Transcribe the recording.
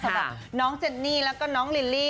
สำหรับน้องเจนนี่แล้วก็น้องลิลลี่